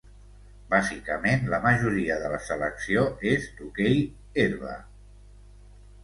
Bàsicament la majoria de la selecció és d’hoquei herba.